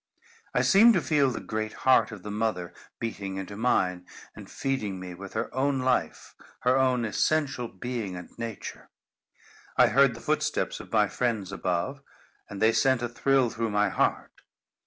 I seemed to feel the great heart of the mother beating into mine, and feeding me with her own life, her own essential being and nature. I heard the footsteps of my friends above, and they sent a thrill through my heart.